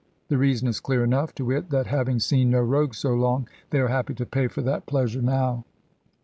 The reason is clear enough to wit, that having seen no rogues so long, they are happy to pay for that pleasure now.